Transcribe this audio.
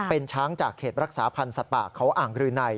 เป็นช้างจากเขตรักษาพันธ์สัตว์ป่าเขาอ่างรืนัย